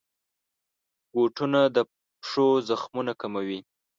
بوټونه د پښو زخمونه کموي.